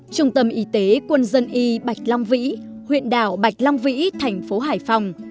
trung tâm y tế quân dân y bạch long vĩ huyện đảo bạch long vĩ thành phố hải phòng